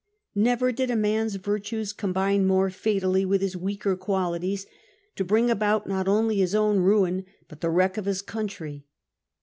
Never did a man's virtues combine more fatally with his weaker qualities to bring about not only his own ruin, but the wreck of his country.